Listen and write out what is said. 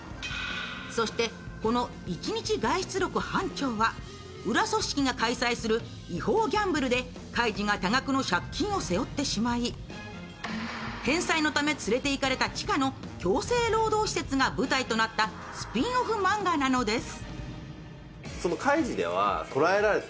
そしてこの「１日外出録ハンチョウ」は裏組織が開催する違法ギャンブルでカイジが多額の借金を背負ってしまい返済のため連れていかれた地下の強制労働施設が舞台となったスピンオフ漫画なのです。